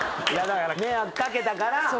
だから迷惑掛けたから。